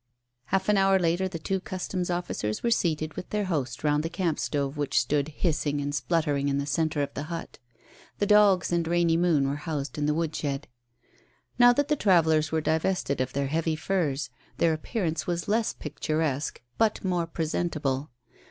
Half an hour later the two Customs officers were seated with their host round the camp stove which stood hissing and spluttering in the centre of the hut. The dogs and Rainy Moon were housed in the woodshed. Now that the travellers were divested of their heavy furs, their appearance was less picturesque but more presentable.